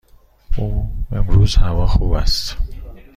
امروز هوا خوب است.